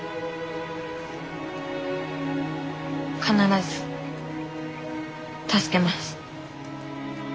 必ず助けます。